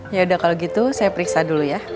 yaudah kalau gitu saya periksa dulu ya